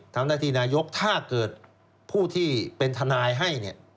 ทำหน้าที่นายกถ้าเกิดผู้ที่เป็นทนายให้เนี่ย